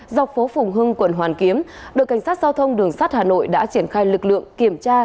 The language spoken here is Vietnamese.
dọc phố phùng hưng quận hoàn kiếm đội cảnh sát giao thông đường sắt hà nội đã triển khai lực lượng kiểm tra